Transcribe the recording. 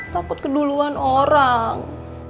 takut keduluan orang